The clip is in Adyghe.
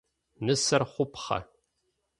Нысэр хъупхъэ.